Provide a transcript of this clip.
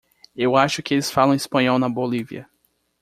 Eu acho que eles falam espanhol na Bolívia.